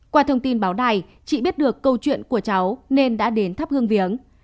qua thông tin báo đài chị biết được câu chuyện của cháu nên đã đến thắp hương viếng